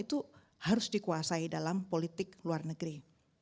terus dikuasai dalam politik luar negeri